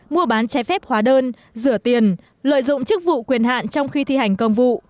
mua bán trái phép hóa đơn rửa tiền lợi dụng chức vụ quyền hạn trong khi thi hành công vụ